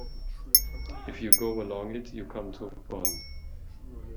If you go along it, you come to a pond.